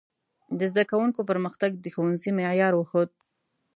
د زده کوونکو پرمختګ د ښوونځي معیار وښود.